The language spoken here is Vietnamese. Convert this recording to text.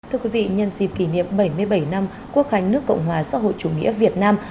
thưa quý vị nhân dịp kỷ niệm bảy mươi bảy năm quốc khánh nước cộng hòa xã hội chủ nghĩa việt nam